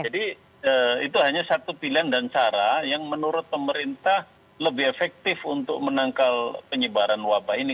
jadi itu hanya satu pilihan dan cara yang menurut pemerintah lebih efektif untuk menangkal penyebaran wabah ini